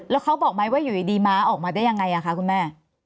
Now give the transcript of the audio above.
แล้วเขาบอกไหมว่าอยู่ดีม้าออกมาได้ยังไงคะคุณแม่